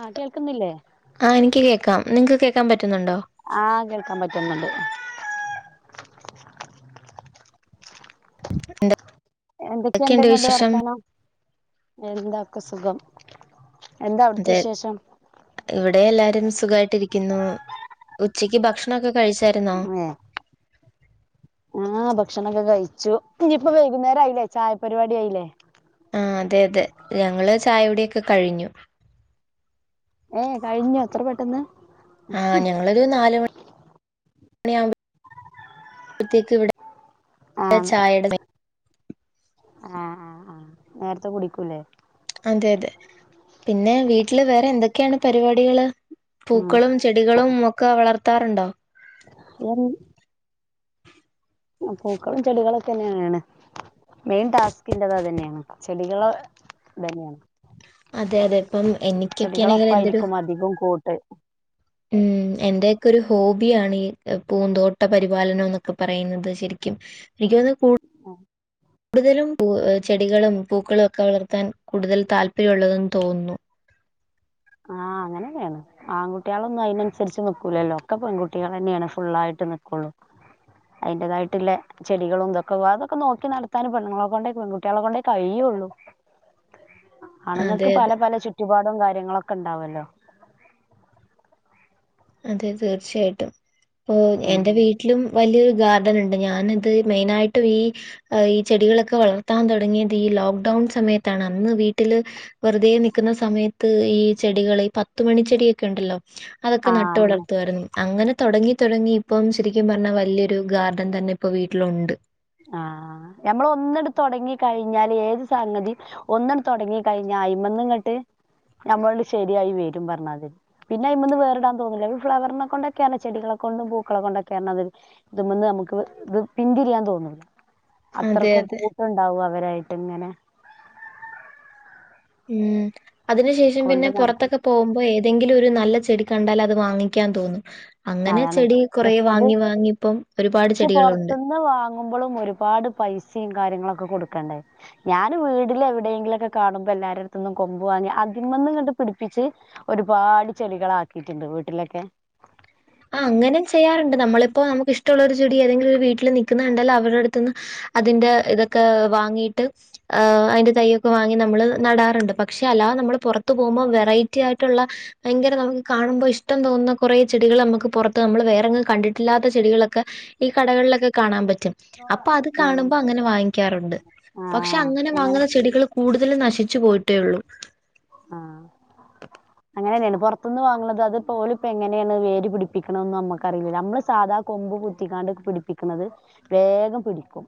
ആഹ് കേൾക്കുന്നില്ലേ ആഹ് എനിക്ക് കേക്കാം നിങ്ങക്ക് കേക്കാൻ പറ്റുന്നുണ്ടോ? ആഹ് കേൾക്കാൻ പറ്റുന്നുണ്ട് എന്തൊക്കെയുണ്ട് ഇങ്ങൾടെ വർത്താനം എന്തക്കെ സുഖം എന്താ അവിടുത്തെ അതെ വിശേഷം? ഇവിടെ എല്ലാരും സുഖമായിട്ടിരിക്കുന്നു ഉച്ചക്ക് ഭക്ഷണൊക്കെ കഴിച്ചായിരുന്നോ ഏഹ് ആഹ് ഭക്ഷണൊക്കെ കഴിച്ചു ഇനിയിപ്പ വൈകുന്നേരം ആയില്ലേ ചായപരിപാടി ആയിലേ ആഹ് അതെ അതെ ഞങ്ങള് ചായുടിയൊക്കെ കഴിഞ്ഞു ഏഹ് കഴിഞ്ഞാേ ഇത്ര പെട്ടെന്ന് ആഹ് ഞങ്ങളൊരു നാല് മണി മണിയാവുമ്പ ത്തേക്ക് ഇവടെ ആഹ് ചായയുടെ നേ ആഹ് ആഹ് ആഹ് നേര്ത്തെ കുടിക്കുല്ലേ അതെ അതെ പിന്നെ വീട്ടില് വേറെ എന്തെക്കേണ് പരിപാടികള് ഉം പൂക്കളും ചെടി ടികളും ഒക്കെ വളർത്താറ്ണ്ടോ ഉം പൂക്കളും ചെടികളൊക്കെന്നേണ് മെയിൻ ടാസ്കിൻ്റെത് അതന്നെയാണ് ചെടികള് ഇതന്നെണ് അതെ അതെ ഇപ്പം എനിക്കൊക്കെയാണെങ്കിൽ എന്റെ ഒരു ചെടികളൊപ്പായിരിക്കും അധികം കൂട്ട് ഉം എന്റെയൊക്കെ ഒരു ഹോബിയാണ് ഈ പൂന്തോട്ട പരിപാലനം ന്നൊക്കെ പറയുന്നത് ശരിക്കും വികത് കൂട് ആഹ് കൂടുതലും പൂവ് ചെടികളും പൂക്കളും ഒക്കെ വളർത്താൻ കൂടുതൽ താല്പര്യമുള്ളതെന്ന് തോന്നുന്നു ആഹ് അങ്ങനെഞെയാണ് ആൺകുട്ടികളൊന്നും അയിനൻസരിച്ച് നിക്കൂലല്ലോ ഒക്കെ പെൺകുട്ടികളന്നെയാണ് ഫുള്ളായിട്ട് നിക്കൊള്ളൂ അയിൻ്റെതായിട്ട്ല്ലെ ചെടികളും ഇതൊക്കെ അതൊക്കെ നോക്കി നട്ത്താന് പെണ്ണുങ്ങളെ കൊണ്ടേ പെങ്കുട്ട്യാളെ കൊണ്ടേ കഴിയാെള്ളൂ അതെ, ആണ്ങ്ങക്ക് അതെ. പല പല ചുറ്റുപാടും കാര്യങ്ങളൊക്കെ ഇണ്ടാവാെല്ലോ അതെ തീർച്ചയായിട്ടും ഇപ്പൊ ഉം എന്റെ വീട്ടിലും വല്ല്യഒരു ഗാർ ഡന്ണ്ട് ഞാന് ഇത് മെയിനായിട്ട് ഈ ഈ ചെടികളൊക്കെ വളർത്താൻ താെടങ്ങിയത് ഈ ലോക്ക്ഡൗൺ സമയത്താണ് അന്ന് വീട്ടില് വെറുതെ നിക്ക്ന്ന സമയത്ത് ഈ ചെടികള് ഈ പത്ത് മണി ചെടിയൊക്കെ ഇണ്ടല്ലോ അതൊക്കെ ആഹ് നട്ട് അതന്നെ [unintelligible] അങ്ങനെ തൊടങ്ങി തുടങ്ങി ഇപ്പം ശരിക്കും പറഞ്ഞാ വല്ല്യൊരു ഗാർഡൻ തന്നെ ഇപ്പൊ വീട്ടിലുണ്ട് ആഹ് ഞമ്മള് ഒന്നിട് താെടങ്ങി കഴിഞ്ഞാല് ഏത് സംഗതിം ഒന്നൺ തൊടങ്ങി കഴിഞ്ഞാ അയിമന്ന്ങ്ങട്ട് നമ്മളൺ ശരിയായി വരും പറഞ്ഞാതിരി പിന്നെ ഐമ്മന്ന് വേറ്ടാൻ തോന്നൂല്ല ഈ ഫ്ലവറിനെ കൊണ്ടെക്കെയാണ് ചെടികളെ കൊണ്ടും പൂക്കളെ കൊണ്ടൊക്കെയർഞാ അത് ഇത് മന്ന് നമക്ക് ഇത് പിന്തിരിയാൻ തോന്നും അതെ, അത്രക്കും അതെ. കൂട്ടുണ്ടാവും അവരായിട്ട് ഇങ്ങനെ ഉം അതിന് ശേഷം പിന്നെ കൊണ്ട് നടക്കാൻ പൊറത്തൊക്കെ പോകുമ്പോ ഏത് തെങ്കിലും ഒരു നല്ല ചെടി കണ്ടാലത് വാങ്ങിക്കാൻ തോന്നും അങ്ങനെ അതാണ് ചെടി കൊറെ പക്ഷെ അത് വാങ്ങി വാങ്ങി ഇപ്പം ഒരുപാട് ചെടികളുണ്ട് ന്നവാങ്ങ് ങ്ങുമ്പളും ഒരുപാട് പൈസിം കാര്യങ്ങളൊക്കെ കൊടുക്കണ്ടേ ഞാന് വീട്ല് എവിടേങ്കിലൊക്കെ കാണുമ്പോ എല്ലാരട്ത്ത്ന്നും കൊമ്പു വാങ്ങി അതിമന്നിങ് പിടിപ്പിച്ച് ഒരുപാട് ചെടികളാക്കിയിട്ട്ണ്ട് വീട്ട്ലൊക്കെ ആഹ് അങ്ങനെം ചെയ്യാറുണ്ട് നമ്മളിപ്പോ നമുക്ക് ഇഷ്ടഉള്ള ഒരു ചെടി ഏതെങ്കിലും ഒരു വീട്ടില് നിക്ക്ന്ന കണ്ടാല് അവരെട്ത് ത്ത്ന്ന് അതിന്റെ ഇതൊക്കെ വാങ്ങീയിട്ട് അയ്ൻ്റെ തയ്യൊക്കെ വാങ്ങി നമ്മള് നടാറ്ണ്ട് പക്ഷേ അല്ലാതെ നമ്മള് പൊറത്തു പോവുമ്പോ വെറൈറ്റി ആയിട്ട്ള്ള ഭയങ്കര നമുക്ക് കാണുമ്പോ ഇഷ്ടം തോന്നുന്ന കാെറേ ചെടികള് അമ്മക്ക് പൊറത്ത് നമ്മൾ വേറെങ്ങും കണ്ടിട്ടില്ലാത്ത ചെടികളൊക്ക് ക്കെ ഈ കടകൾലൊക്കെ കാണാൻ പറ്റും അപ്പ അത് ഉം. കാണുമ്പൊ അങ്ങനെ വാങ്ങിക്കാറുണ്ട് ആ പക്ഷെ അങ്ങനെ വാങ്ങുന്ന ചെടികള് കൂടുതലും നശിച്ചു പോയിട്ടേയാെള്ളൂ ആഹ് അങ്ങനെന്നെയാണ് പാെറത്ത്ന്ന് വാങ്ങുന്നത് അത് ഇപ്പ ഓല് ഇപ്പ എങ്ങനെയാണ് വേര് പിടിപ്പിക്ക്ണംന്ന് അമ്മക്കറിയില്ലല്ലോ അമ്മള് സാധാ കൊമ്പ് കുത്തിക്കാണ്ട്ക്കെ പിടിപ്പിക്ക്ണത് വേഗം പിടിക്കും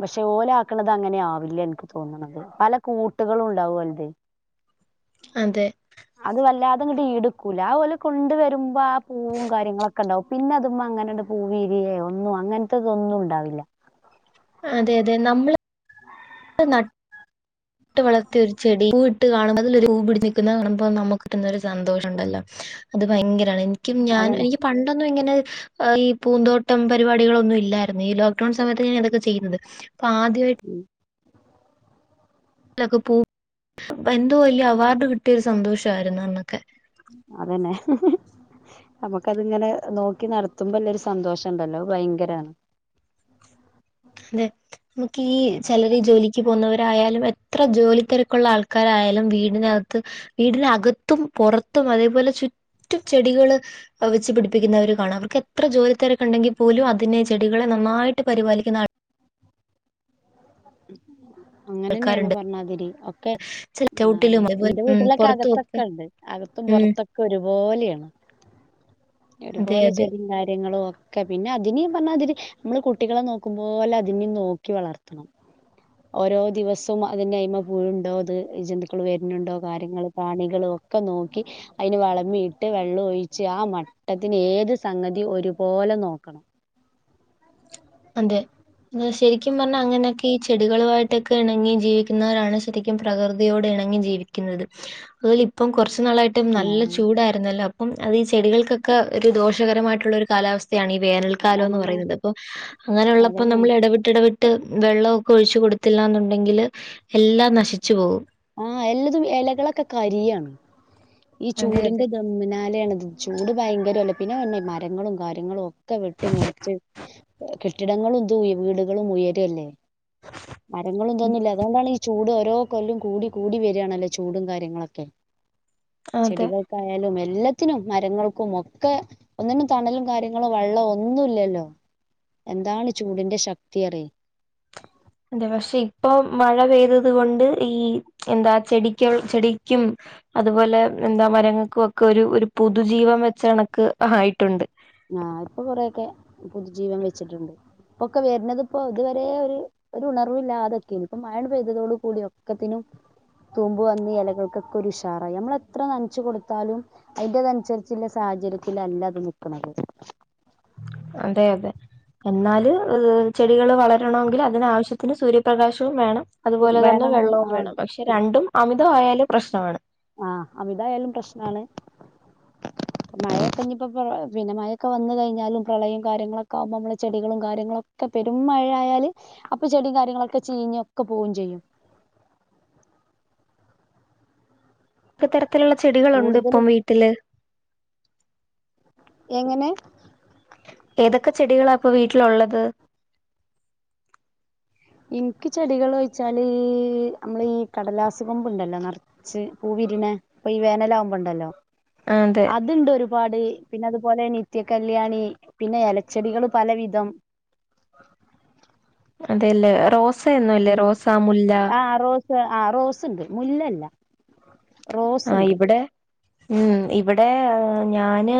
പക്ഷെ ഓല് ആക്ക്ണത് അങ്ങനെ ആവില്ല ഇൻക്ക് തോന്ന്ന്നത് പല കൂട്ട്കളും ബണ്ടാവും ഓൽതെ അതെ അത് വല്ലാതെ ഇങ്ങട്ട് ഈടുക്കൂല അത് ഓല് കൊണ്ട് വരുമ്പ ആ പൂവും കാര്യങ്ങള ക്കണ്ടാവും പിന്നെ അതുമ്മേ അങ്ങനണ്ട് പൂവിരിയെ ഒന്നും അങ്ങൻത്തെതൊന്നും ഉണ്ടാവില്ല അതെ അതെ നമ്മള് ട്ട് ന നട്ടു വളർത്തിയ ഒരു ചെടി പൂ ഇട്ട് കാണുമ്പോ അതിലൊരു പൂ പിടിച് നിക്കുന്ന കാണുമ്പോ നമുക്ക് കിട്ടുന്നൊരു സന്തോഷം ഉണ്ടല്ലോ അത് ഭയങ്കരാണ് ഇൻക്കും ഞാൻ അതന്നെ എനിക്ക് പണ്ടൊന്നു ഇങ്ങനെ ഈ പൂന്തോട്ടം പരിപാടികളൊന്നു ഇല്ലായിരുന്നു ഈ ലോക്ക്ഡൌൺ സമയത്ത് ഞാൻ അതൊക്കെ ചെയ്യുന്നത് പ്പ ആദ്യമായിട്ട് ഉം ലക്ക പൂ എന്തോ വല്ല്യ അവാർഡ് കിട്ടിയൊരു സന്തോഷായിരുന്നു അന്നൊക്കെ അതന്നെ നമുക്ക അതിങ്ങനെ നോക്കി നടത്തുമ്പല്ലരു സന്തോഷണ്ടല്ലോ അത് ഭയങ്കരാണ് അതെ മുക്ക് ഈ ചെലര് ജോലിക്ക് പോവുന്നവരായാലും എത്ര ജോലി തെരക്കുള്ള ആൾക്കാരായാലും വീടിനകത്ത് വീടിനകത്തും പൊറത്തും അതേപോലെ ചുറ്റും ചെടികള് വെച്ച് പിടിപ്പിക്കുന്നവര് കാണാം അവർക്ക് എത്ര ജോലി തെരക്കു ഉണ്ടെങ്കി പോലും അതിനെ ചെടികളെ നന്നായിട്ട് പരിപാലിക്കുന്ന അങ്ങനെന്നെണ് ആൾക്കാരുണ്ട് പർഞാതിരി ഒക്കെ ആ സിറ്റൗട്ടിലും അതേപോലെ ഇന്റെ ഉം വീട്ടിലൊക്കെ പുറത്തും ഒക്കെ അകത്തൊക്കെ ഇണ്ട് അകത്തും ഉം പൊറത്തൊ ക്ക ഒരുപോലെണ് അതെ ഒരുപോലെ അതെ ചെടിം കാര്യങ്ങളു ഒ ക്ക പിന്നെ അതിന് ഈ പർഞാതിരി നമ്മള് കുട്ടികളെ നോക്കുമ്പോലെ അതിനിം നോക്കി വളർത്തണം ഓരോ ദിവസവും അതിന്റെ അയ്മ പൂഴുണ്ടോ അത് ജന്തുക്കൾ വര്ന് ണ്ടോ കാര്യങ്ങള് പ്രാണികളു ഒക്ക നോക്കി അയിന് വളമിട്ട് വെള്ളൂ ഒഴിച്ച് ആ മട്ടതിന് ഏത് സംഗതി ഒരുപോലെ നോക്കണം അതെ ശരിക്കും പർഞ്ഞാ അങ്ങനെയൊക്കെ ഈ ചെടികളു ആയിട്ടൊക്കെ ഇണങ്ങി ജീവിക്കുന്നവരാണ് ശരി ക്കും പ്രകൃതിയോട് എണങ്ങി ജീവിക്കുന്നത് ഓല് ഇപ്പം കൊർച്ചു നാളായി ഏറ്റവും നല്ല ചൂടായിര്ന്നല്ലോ അപ്പം അത് ഈ ചെടികൾക്കൊക്കെ ഒരു ദോഷകരമായിട്ടുള്ളൊരു കാലാവസ് യാണ് ഈ വേനൽക്കാലം എന്ന് ആഹ് പറയുന്നത് അപ്പോ അങ്ങനെയുള്ളപ്പോ അതന്നെയാണ് നമ്മള് എട എടവിട്ട് എടവിട്ട് വെള്ളോക്കെ ഒഴിച്ച് കൊടുത്തില്ലാന്നുണ്ടെങ്കില് എല്ലാം നശിച്ചു പോവും ആ എല്ലതും എലകളൊക്കെ കരിയാണ് ഈ അതെ ചൂടിന്റെ അതെ ദമ്മ്നാലെണ് ഇത് ചൂട് ഭയങ്കരല്ലേ പിന്നെ വന്നെ മരങ്ങളും കാര്യങ്ങളും ക്കെ വെട്ടി മുറിച്ച് കെട്ടിടങ്ങളുംതു വീടുകളും ഉയരല്ലേ മരങ്ങളു ഉം, ഇതോന്നുല്ല അതുകൊണ്ടാണ് ഈ ചൂ ചൂട് ഓരോ കൊല്ലും കൂടി കൂടി വരാണല്ലോ ചൂടും കാര്യങ്ങളെക്കെ അതെ ചെടികൾക്കായാലും എല്ലത്തിനും മരങ്ങൾക്കും ഒക്ക ഒന്നിനും തണലും കാര്യങ്ങളോ വെള്ളോ ഒന്നുല്ലല്ലോ എന്താണ് ചൂടിന്റെ ശക്തിയറി അതെ പക്ഷെ ഇപ്പം മഴ പെയ്തത് കൊണ്ട് ഈ എന്താ ചെടിക്ക് ചെടിക്കും അതുപോലെ എന്താ മരങ്ങക്കു ഒക്കെ ഒരു ഒരു പൊതുജീവൻ വെച്ച കണക്ക് ആയിട്ടുണ്ട് ആ ഇപ്പൊ കൊറെക്കെ പുതുജീവൻ വെച്ചിട്ടുണ്ട് ഇപ്പൊക്കെ വര്ണതിപ്പോ ഇതുവരെ ഒര് ഒരു ഉണർവില്ലാതെക്കെനി ഇപ്പം മയാണ്ട് പെയ്തതോടു കൂടി ഒക്കത്തിനും തൂമ്പ് വന്ന് എലകൾക്കൊക്കെ ഒരു ഉഷാറായി നമ്മളെത്ര നൻച്ചു കൊടുത്താലും അയിന്റെ തൻസരിച്ച്ല്ല സാഹചര്യത്തിലല്ല അത് നിക്ക്ണത് അതെ അതെ എന്നാല് ചെടികള് വളരണങ്കില് അതിനാവശ്യത്തിന് സൂര്യപ്രകാശവും വേണം അതുപോലെ തന്നെ വേണാനും വെള്ളവും ആഹ് വേണം പക്ഷെ രണ്ടും അമിതാവായാല് പ്രശ്നമാണ് ആ അമിതായാലും പ്രശ്നാണ് മഴെക്കെഞ്ഞിപ്പപ്പം പിന്നെ മഴൊക്കെ വന്ന് കഴിഞ്ഞാലും പ്രളയും കാര്യങ്ങളൊക്കെ ആവുമ്പോ നമ്മളെ ചെടികളും കാര്യങ്ങളും ക്കെ പെരും മഴ ആയാല് അപ്പ ചെടിം കാര്യങ്ങളൊക്കെ ചീഞ്ഞൊക്കെ പോവും ചെയ്യും എത്രതരത്തിലുള്ള ചെടികളുണ്ട് കൂടുതൽ ഇപ്പം വീട്ടില് എങ്ങനെ ഏതക്ക ചെടികളാ ഇപ്പൊ വീട്ടിലുള്ളത് എനിക്ക് ചെടികളെന്ന് വച്ചാല നമ്മൾ ഈ കടലാസ് പൂവ് ഉണ്ടല്ലോ ച്ച് പൂവിരിയുന്ന ഈ വേനലാവകുമ്പോ ഉണ്ടല്ലോ അതെ അതുണ്ട് ഒരു പാട് പിന്നെ അതുപോലെ നിത്യ കല്യാണി പിന്നെ ഇലച്ചെടികൾ പല വിധം അതെല്ലേ റോസ് ഉം ആഹ് റോസ് ആഹ് റോസ് ഉണ്ട് മുല്ലയില്ല ആഹ് ഇവിടെ ഉം ഇവിടെ ഞാന്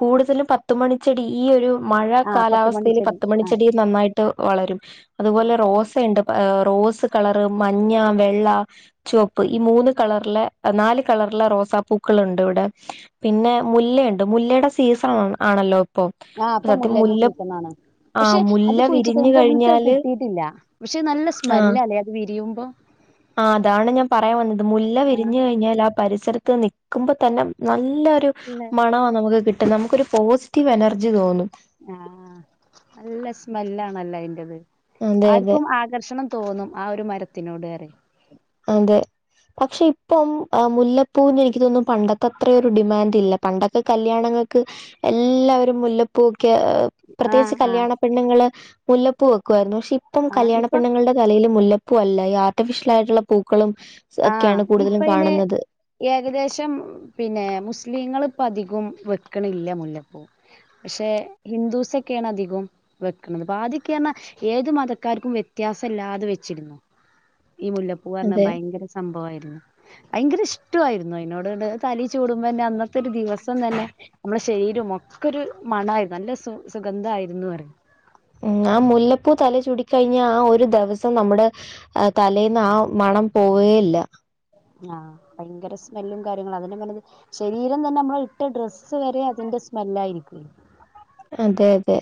കൂടുതലും പഞ്ഞു മണിച്ചടി ഈ ഒരു മഴ ആ പത്ത് കാലാവസ്ഥയിൽ മണിച്ചെടി പത്തു ആ മണിച്ചെടിൽ നന്നായിട്ട് വളരും അതുപോലെ റോസുണ്ട് റോസ് കളറ് മഞ്ഞ വെള്ള ചുവപ്പ് ഈ മൂന്ന് കളറിലെ നാല് കളറിലെ റോസാപ്പൂക്കൾ ഉണ്ട് ഇവിടെ പിന്നെ മുല്ലയുണ്ട് മുല്ലയുടെ സീസൺ ആണല്ലോ ഇപ്പൊ ആഹ് ഇപ്പൊ സത്യം മുല്ലേന്റെ മുല്ല സീസണാണ് ആ പക്ഷെ അത് മുല്ല കുഴിച്ച് വിരിഞ്ഞു വച്ചിട്ട് നമുക്ക് കഴിഞ്ഞാല് കിട്ടിയിട്ടില്ല പക്ഷെ നല്ല സ്മെല്ലല്ലേ അത് വിരിയുമ്പോ ആഹ് അതാണ് ഞാൻ പറയാൻ വന്നത് മുല്ല ആ വിരിഞ്ഞു കഴിഞ്ഞാൽ ആഹ് പരിസരത്ത് നിൽക്കുമ്പോ തന്നെ നല്ലരു നല്ല മണമാ നമുക്ക് കിട്ടുന്നത് നമുക്ക് ഒരു പോസിറ്റീവ് എനർജി തോന്നും ആഹ് നല്ല സ്മെല്ലാണല്ലോ അതിന്റെത് അതെ അതെ ആർക്കും ആകർഷണം തോന്നും ആഹ് ഒരു മരത്തിനോട് ഏറെ അതിന്റെ പക്ഷെ ഇപ്പം മുല്ലപ്പൂവിന് എനിക്ക് തോന്നും പണ്ടത്തെ അത്ര ഒരു ഡിമാൻഡ് ഇല്ല പണ്ടൊക്കെ കല്യാണങ്ങൾക്ക് എല്ലാവരും മുല്ലപ്പൂ ഒക്കെ ആഹ് പ്രത്യേകിച്ച് ആഹ് കല്യാണ പെണ്ണുങ്ങള് മുല്ലപ്പു വെക്കുമായിരുന്നു പക്ഷെ ഇപ്പം ആഹ് കല്യാണ ഇപ്പൊ പെണ്ണങ്ങളുടെ തലയിയില് മുല്ലപ്പ പൂ അല്ല ഈ ആർട്ടിഫിഷ്യൽ ആയിട്ടുള്ള പൂക്കളും ആഹ് ഒക്കെയാണ് ഇപ്പ കൂടുതലും അയിന് കാണുന്നത് ഏകദേശം പിന്നെ മുസ്ലിങ്ങൾ ഇപ്പം അധികം വെക്കുന്നില്ല മുല്ലപ്പൂ പക്ഷെ ഹിന്ദൂസ് ഒക്കെയാണ് അധികം വെക്കുന്നത് ആദ്യമൊക്കെ ആണേൽ ഏത് മതക്കാർക്കും വ്യത്യാസമില്ലാതെ വെച്ചിരുന്നു ഈ മുല്ലപ്പൂ പൂ പറഞ്ഞ അതെ ഭയങ്കര സംഭവമായിരുന്നു ഭയങ്കര ഇഷ്ടമായിരുന്നു അതിനോട് തലെ ചൂടുമ്പോ തന്നെ അന്നത്തെ അന്നത്തെ ഒരു ദിവസം തന്നെ നമ്മുടെ ശരീരം ഒക്കെ ഒരു മണമായിരുന്നു നല്ല സുഗന്ധമായിരുന്നു പറയും ഉം ആഹ് മുല്ലപ്പൂ തലയിൽ ചൂടി കഴിഞ്ഞാൽ ആഹ് ഒരു ദിവസം നമ്മുടെ തലേൽന്ന് ആഹ് മണം പോവുകയില്ല ആഹ് ഭയങ്കര സ്മെല്ലും കാര്യങ്ങളും അതിലും നല്ലത് ശരീരം തന്നെ നമ്മള് ഇട്ട ഡ്രസ്സ് വരെ അതിന്റെ സ്മെല്ലായിരിക്കും അതെ അതെ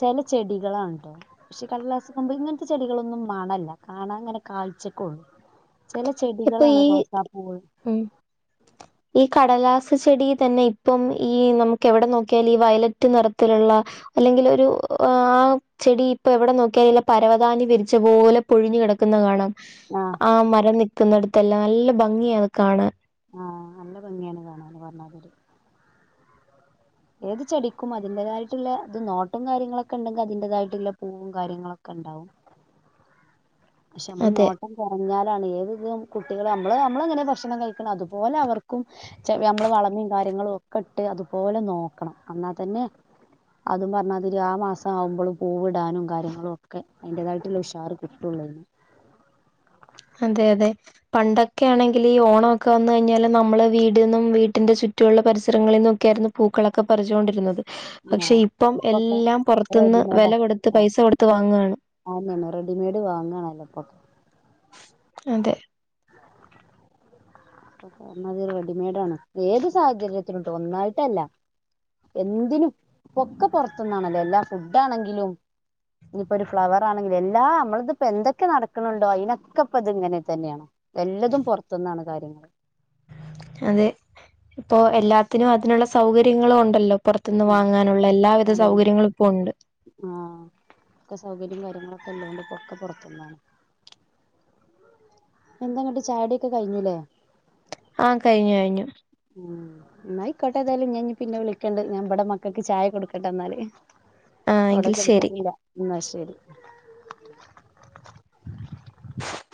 ചില ചെടികളാണ് കൃഷി കടലാസുമ്പോ ഇങ്ങനത്തെ ചെടികളൊന്നും മണമില്ല കാണാൻ അങ്ങനെ കാഴ്ച്ചക്ക് ഒക്കെ ഉള്ളൂ ചില ഇപ്പൊ ചെടികളാണ് ഈ റോസാപ്പൂവ് ഉം ഈ കടലാസ് ചെടി തന്നെ ഇപ്പം ഈ നമുക്ക് എവിടെ നോക്കിയാലും ഈ വയലറ്റ് നിറത്തിലുള്ള അല്ലെങ്കിൽ ഒരു ആഹ് ചെടി ഇപ്പൊ എവിടെ നോക്കിയാലു പരവതാനി വിരിച്ച പോലെ പൊഴിഞ്ഞു കിടക്കുന്നത് കാണാം ആഹ് ആഹ് മരം നിക്കുന്നിടത്തെല്ലാം നല്ല ഭംഗി ആണ് അത് കാണാൻ ആഹ് നല്ല ഭംഗിയാണ് കാണാൻ പറഞ്ഞമാതിരി ഏത് ചെടിക്കും അതിന്റേതായിട്ടുള്ള നോട്ടും കാര്യങ്ങളുഠ ഒക്കെ ഉണ്ടെങ്കിൽ അതിൻ്റെതായിട്ടുള്ള പൂവും കാര്യങ്ങളും ഒക്കെ ഉണ്ടായിരിക്കും കാര്യങ്ങളൊക്കെ ഉണ്ടാവും പക്ഷെ നമ്മള് അതെ നോട്ട ക്കുറഞ്ഞാല് ആണ് ഏത് കുട്ടികൾക്കും നമ്മള് നമ്മളെങ്ങനെ ഭക്ഷണം കഴിക്കണം അതുപോലെ അവർക്കും നമ്മള് വളങ്ങളും കാര്യങ്ങളും ഒക്കെ ഇട്ട് അതുപോലെ നോക്കണം എന്നാൽ തന്നെ അതും പറഞ്ഞ മാതിരി ആഹ് മാസം ആകുബം പൂവിടാനും കാര്യങ്ങളും ഒക്കെ അതിൻ്റെതായിട്ടുള്ള ഉഷാർ കട്ടും [unintelligible] അതെ അതെ പണ്ടൊക്കെ ആണെങ്കില് ഈ ഓണം ഒക്കെ വന്ന് കഴിഞ്ഞാല് നമ്മള് വീടെന്നും വീട്ടിന്റെ ചു റ്റുള്ള പരിസരങ്ങളിൽ നിന്നൊക്കെയായിരുന്നു പൂക്കളൊക്കെ പറിച്ചുകൊണ്ടിരുന്നത്. ആ പക്ഷെ ഇപ്പം ഇപ്പൊക്കെ എല്ലാം പുറത്തുന്ന് വെല കൊടുത്ത് പൈസ കൊടുത്ത് വാങ്ങാണ്. ആന്നെ റെഡിമെയ്ഡ് വാങ്ങാണല്ലോ ഇപ്പൊ. അതെ. കാരണം അതൊരു റെഡിമെയ്ഡ് ആണ്. ഏത് സാഹചര്യത്തിലോട്ടും. ഒന്നായിട്ടല്ല. എന്തിനും. ഒക്കെ പുറത്തുന്നാണല്ലോ. എല്ലാം ഫുഡ് ആണെങ്കിലും. ഇനിയിപ്പോ ഒരു ഫ്ലവർ ആണെങ്കിലും. എല്ലാ നമ്മളിതിപ്പോ എന്തൊക്കെ നടക്കണണ്ടോ അതിനൊക്കെ ഇപ്പ ഇത് ഇങ്ങനെ തന്നെയാണ്. എല്ലതും പുറത്തുന്നാണ് കാര്യങ്ങള്. അതെ. ഇപ്പോ എല്ലാത്തിനും അതിനുള്ള സൗകര്യങ്ങളും ഒണ്ടല്ലോ. പൊറത്ത്ന്ന് വാങ്ങാനുള്ള എല്ലാവിധ സൗകര്യങ്ങളും ഇപ്പോ ഒണ്ട്. ആഹ്. ഒക്കെ സൗകര്യം കാര്യങ്ങളൊക്കെ ഉള്ളോണ്ട് ഒക്കെ പുറത്തുന്നാണ്. എന്താങ്ങട്ട് ചായകുടിയൊക്കെ കഴിഞ്ഞില്ലെ? ആഹ് കഴിഞ്ഞു കഴിഞ്ഞു. ഉം എന്നായിക്കോട്ടെ ഏതായാലും ഞാൻ ഇനി പിന്നെ വിളിക്കണ്ട്. ഞാൻ ഇവടെ മക്കൾക്ക് ചായ കൊടുക്കട്ടെ എന്നാല്. ആ അവിടെ എങ്കിൽ ശരി കൊടുത്തിട്ടില്ല. എന്നാ ശരി.